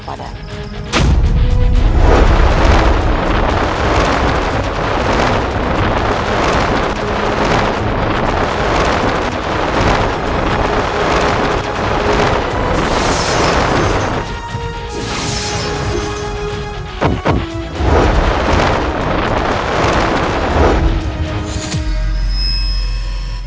pakada men wonderful fits